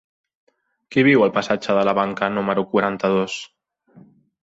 Qui viu al passatge de la Banca número quaranta-dos?